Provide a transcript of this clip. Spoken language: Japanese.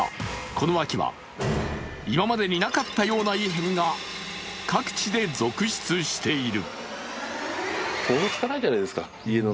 この秋は今までになかったような異変が各地で続出している。